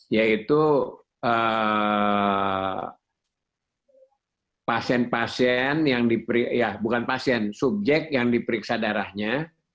yaitu subjek yang diperiksa darahnya